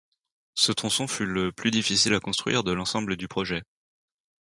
Ce tronçon fut le plus difficile à construire de l'ensemble du projet.